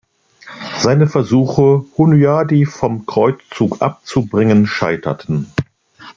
Seine Versuche, Hunyadi vom Kreuzzug abzubringen, scheiterten.